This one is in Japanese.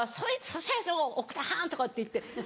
「そうでしょ奥田はん！」とかって言って。